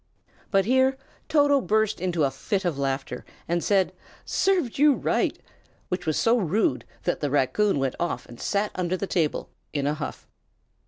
But here Toto burst into a fit of laughter, and said, "Served you right!" which was so rude that the raccoon went off and sat under the table, in a huff.